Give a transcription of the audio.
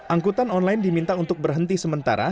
angkutan online diminta untuk berhenti sementara